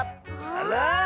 あら！